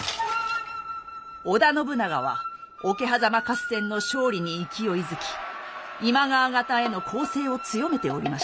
織田信長は桶狭間合戦の勝利に勢いづき今川方への攻勢を強めておりました。